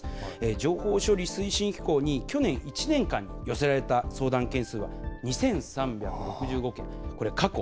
情報処理推進機構に去年１年間に寄せられた相談件数は２３６５件。